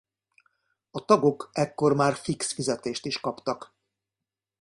A tagok ekkor már fix fizetést is kaptak.